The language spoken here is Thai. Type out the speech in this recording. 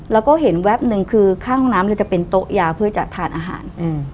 แล้วก็เห็นแวบหนึ่งคือข้างห้องน้ำเลยจะเป็นโต๊ะยาเพื่อจะทานอาหาร